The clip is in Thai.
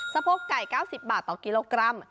โพกไก่๙๐บาทต่อกิโลกรัม